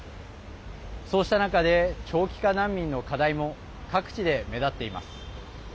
そうした中で長期化難民の課題も各地で目立っています。